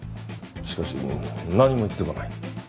しかし何も言ってこない。